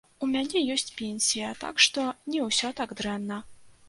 У мяне ёсць пенсія, так што не ўсё так дрэнна.